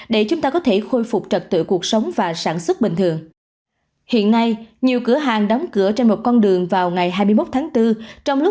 để chúng ta có thể khôi phục trật tự